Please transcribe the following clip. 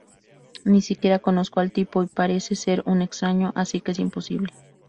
Ni siquiera conozco al tipo y parece ser un extraño, así que es imposible.